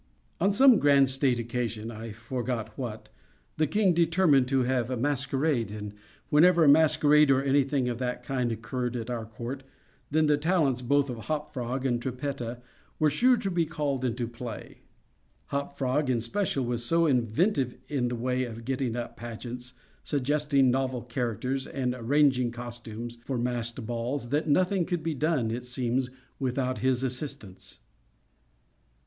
On some grand state occasion—I forgot what—the king determined to have a masquerade, and whenever a masquerade or any thing of that kind, occurred at our court, then the talents, both of Hop Frog and Trippetta were sure to be called into play. Hop Frog, in especial, was so inventive in the way of getting up pageants, suggesting novel characters, and arranging costumes, for masked balls, that nothing could be done, it seems, without his assistance.